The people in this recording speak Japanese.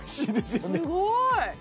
すごーい